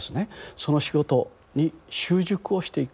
その仕事に習熟をしていく。